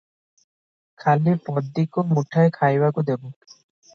ଖାଲି ପଦୀକୁ ମୁଠାଏ ଖାଇବାକୁ ଦେବୁ ।